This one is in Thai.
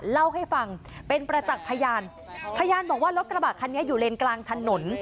เล่าให้ฟังเป็นประจักษ์พยานพยานบอกว่ารถกระบะคันนี้อยู่เลนกลางถนน